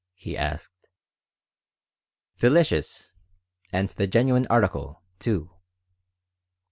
he asked "Delicious! And the genuine article, too."